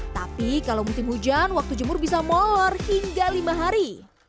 tapi kalau musim hujan waktu jemur bisa molor hingga lima hari